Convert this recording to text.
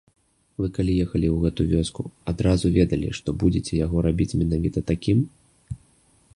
Вы калі ехалі ў гэту вёску, адразу ведалі, што будзеце яго рабіць менавіта такім?